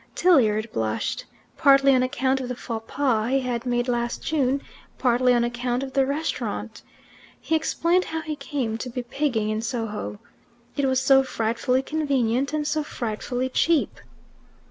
Tilliard blushed, partly on account of the faux pas he had made last June, partly on account of the restaurant. He explained how he came to be pigging in Soho: it was so frightfully convenient and so frightfully cheap.